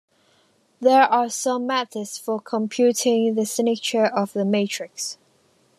There are some methods for computing the signature of a matrix.